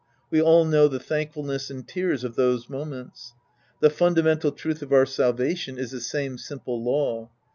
We all know the thankfulness and tears of those moments. The fundamental truth of our salvation is the same simple law.